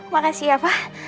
makasih ya pak